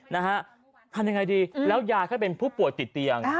นะฮะทำยังไงดีแล้วยายก็เป็นผู้ป่วยติดเตียง